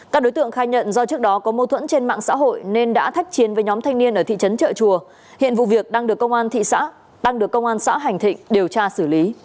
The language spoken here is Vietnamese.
các đối tượng trên đường đến thị trấn trợ chùa đã bị vây chặn truy bắt